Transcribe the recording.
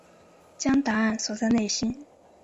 将答案锁在内心